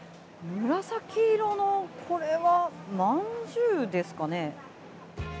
紫色のこれはまんじゅうですかね。